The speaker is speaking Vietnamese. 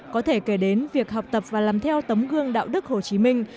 có thể kể đến việc học tập và làm theo tấm gương đạo đức hồ chí minh